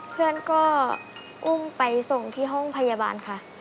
เพื่อนก็อุ้มไปส่งที่ห้องพยาบาลค่ะ